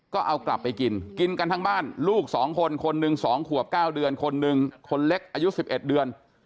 ก็เอากลับไปกินกินกันทั้งบ้านลูก๒คนคนหนึ่ง๒ขวบ๙เดือนคนหนึ่งคนเล็กอายุ๑๑เดือน